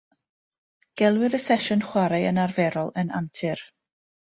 Gelwir y sesiwn chwarae yn arferol yn antur.